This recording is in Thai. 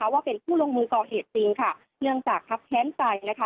ว่าเป็นผู้ลงมือก่อเหตุจริงค่ะเนื่องจากครับแค้นใจนะคะ